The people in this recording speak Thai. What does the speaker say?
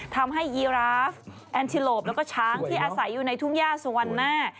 ยีราฟแอนทิโลปแล้วก็ช้างที่อาศัยอยู่ในทุ่งย่าสุวรรณหน้า